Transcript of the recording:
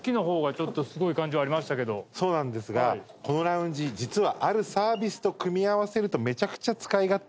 そうなんですがこのラウンジ実は。